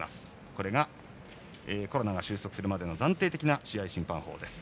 これがコロナが収束するまでの暫定的な試合審判法です。